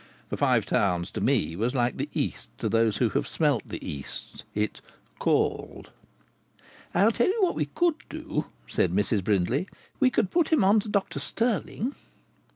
The Five Towns, to me, was like the East to those who have smelt the East: it "called." "I'll tell you what we could do," said Mrs Brindley. "We could put him on to Dr Stirling."